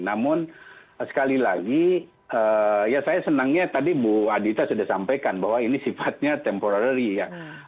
namun sekali lagi ya saya senangnya tadi bu adita sudah sampaikan bahwa ini sifatnya temporary ya